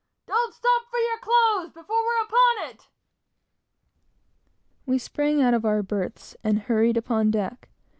don't stop for your clothes before we're upon it!" We sprang out of our berths and hurried upon deck.